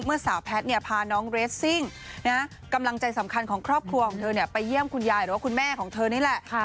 สาวแพทย์พาน้องเรสซิ่งกำลังใจสำคัญของครอบครัวของเธอไปเยี่ยมคุณยายหรือว่าคุณแม่ของเธอนี่แหละ